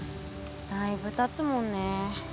だいぶたつもんね。